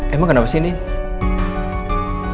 emang kenapa sih din